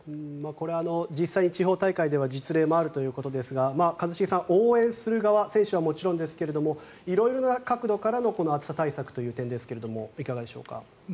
これは実際に地方大会では実例もあるということですが一茂さん、応援する側選手はもちろんですけれども色々な角度からの暑さ対策という点ですがいかがでしょうか。